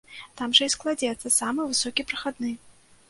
Там жа і складзецца самы высокі прахадны.